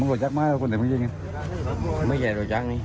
แต่คนหน้าเนี่ยเราเล่นยาม่ะกี่เม็ด